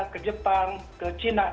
ke jepang ke cina